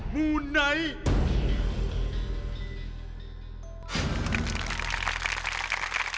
มูไนท์